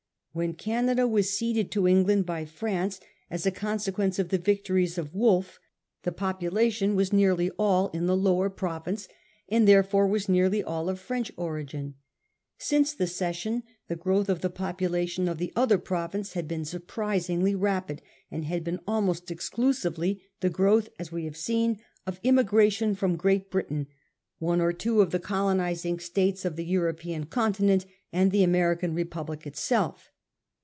When Canada was ceded to England by France, as a consequence of the victories of Wolfe, the population was nearly all in the lower province, and therefore was nearly all of French origin. Since the cession the growth of the popula tion of the other province had been surprisingly rapid, and had been almost exclusively the growth, as we have seen, of immigration from Great Britain, one or two of the colonising states of the European conti nent, and the Am erican Republic itself.